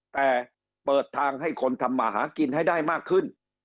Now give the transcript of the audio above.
แต่เปิดทางให้คนทำมาหากินให้ได้มากขึ้น